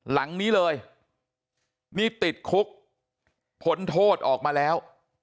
หลังนี้เลยนี่ติดคุกผลโทษออกมาแล้ว